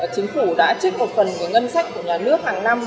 chính phủ đã trích một phần ngân sách của nhà nước hàng năm